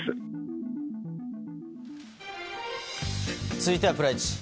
続いてはプライチ。